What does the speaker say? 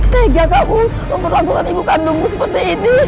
tegak kamu memperlakukan ibu kandungmu seperti ini